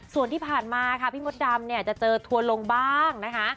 ส่วนที่ผ่านมาพี่มดดำจะเจอทวนลงบ้างนะคะ